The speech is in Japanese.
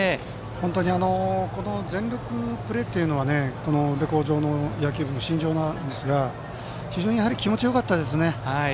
本当に全力プレーというのが宇部鴻城の野球部の身上なんですが非常に気持ちよかったですね。